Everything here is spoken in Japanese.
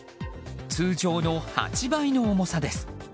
通常の８倍の重さです。